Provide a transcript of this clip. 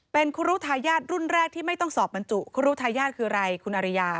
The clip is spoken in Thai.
เป็นครูรู้ทายาทรุ่นแรกที่ไม่ต้องสอบบรรจุครูรู้ทายาทคืออะไรคุณอริยา